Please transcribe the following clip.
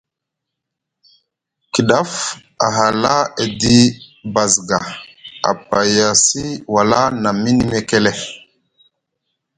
Kiɗaf a hala edi basga a payasi wala na mini mekele.